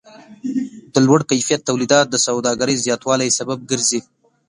د لوړ کیفیت تولیدات د سوداګرۍ زیاتوالی سبب ګرځي.